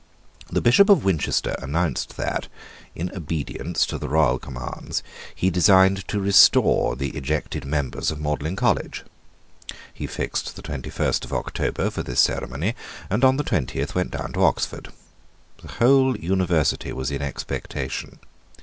The Bishop of Winchester announced that, in obedience to the royal commands, he designed to restore the ejected members of Magdalene College. He fixed the twenty first of October for this ceremony, and on the twentieth went down to Oxford. The whole University was in expectation.